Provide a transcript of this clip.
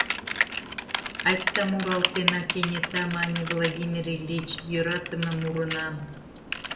— Айста муралтена, — кенета мане Владимир Ильич, — йӧратыме мурынам.